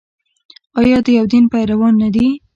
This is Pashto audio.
آیا د یو دین پیروان نه دي؟